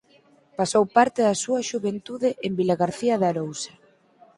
Pasou parte da súa xuventude en Vilagarcía de Arousa.